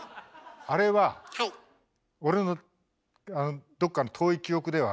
あれは俺のどっかの遠い記憶では。